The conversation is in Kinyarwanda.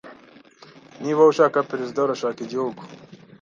Niba ushaka Perezida, urashaka igihugu